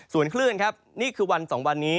ส่วนคลื่นครับนี่คือวัน๒วันนี้